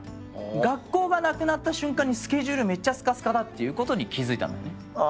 学校がなくなった瞬間にスケジュールめっちゃすかすかだってことに気付いたのね。